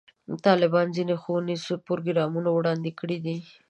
طالبانو ځینې ښوونیز پروګرامونه وړاندې کړي دي.